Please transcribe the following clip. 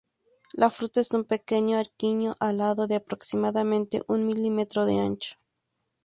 La fruta es un pequeño aquenio alado de aproximadamente un milímetro de ancho.